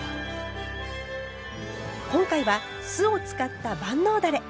今回は酢を使った万能だれ。